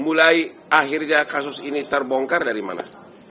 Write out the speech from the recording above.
mulai akhirnya kasus ini terbongkar dari mana